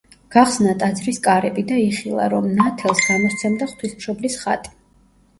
გახსნა ტაძრის კარები და იხილა, რომ ნათელს გამოსცემდა ღვთისმშობლის ხატი.